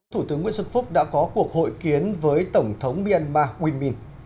thủ tướng nguyễn xuân phúc đã có cuộc hội kiến với tổng thống myanmar uyên minh